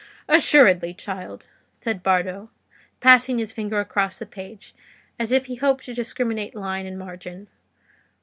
"Assuredly, child," said Bardo, passing his finger across the page, as if he hoped to discriminate line and margin.